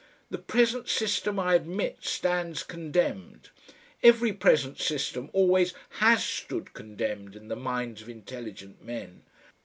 "The present system, I admit, stands condemned. Every present system always HAS stood condemned in the minds of intelligent men.